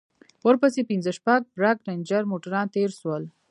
ورپسې پنځه شپږ برگ رېنجر موټران تېر سول.